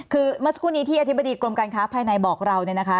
คือเมื่อสักครู่นี้ที่อธิบดีกรมการค้าภายในบอกเราเนี่ยนะคะ